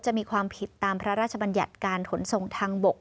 จะมีความผิดตามพระราชบัญญัติการขนส่งทางบก